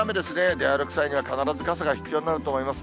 出歩く際には、必ず傘が必要になると思います。